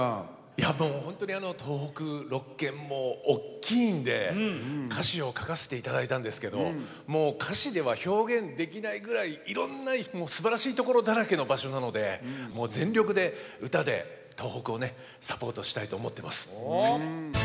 いやもう本当に東北６県大きいんで歌詞を書かせていただいたんですけどもう歌詞では表現できないぐらいいろんなすばらしいところだらけの場所なのでもう全力で歌で東北をねサポートしたいと思ってます。